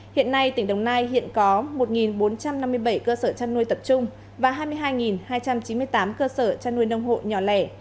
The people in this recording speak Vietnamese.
hiện nay tỉnh đồng nai hiện có một bốn trăm năm mươi bảy cơ sở chăn nuôi tập trung và hai mươi hai hai trăm chín mươi tám cơ sở chăn nuôi nông hộ nhỏ lẻ